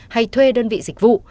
hay thuê đơn vị dịch vụ